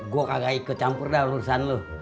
gue kagak ikut campur dah urusan lo